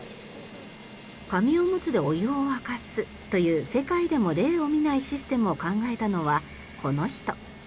紙おむつでお湯を沸かすという世界でも例を見ないシステムを考えたのはこの人。